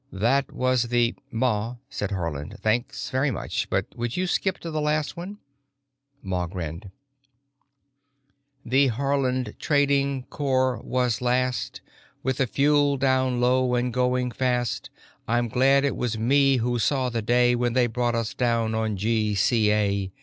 That was the——" "Ma," said Haarland. "Thanks very much, but would you skip to the last one?" Ma grinned. The Haarland Trading Corp. was last With the fuel down low and going fast. I'm glad it was me who saw the day When they brought us down on GCA.